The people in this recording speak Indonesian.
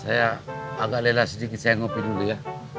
saya agak lelah sedikit saya mau pergi dulu ya